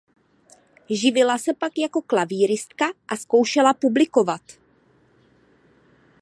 Živila se pak jako klavíristka a zkoušela publikovat.